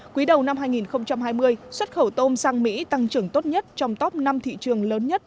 quý đầu năm hai nghìn hai mươi xuất khẩu tôm sang mỹ tăng trưởng tốt nhất trong top năm thị trường lớn nhất